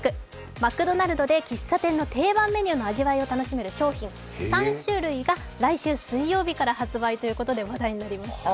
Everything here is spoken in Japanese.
マクドナルドで喫茶店の定番メニューの味わいを楽しめる商品３種類が来週水曜日から発売ということで話題になりました。